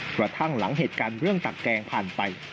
กระทั่งหลังเหตุการณ์เรื่องตักแกงผ่านไป